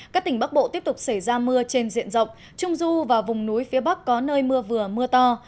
các tỉnh bắc bộ tiếp tục xảy ra mưa trên diện rộng trung du và vùng núi phía bắc có nơi mưa vừa mưa to